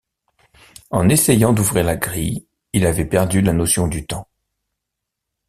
En essayant d'ouvrir la grille, il avait perdu la notion du temps.